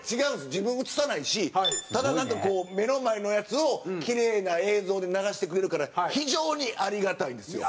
自分映さないしただなんか目の前のやつをきれいな映像で流してくれるから非常にありがたいんですよ。